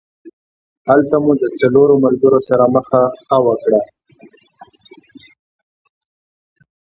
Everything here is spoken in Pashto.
هلته مو د څلورو ملګرو سره مخه ښه وکړه.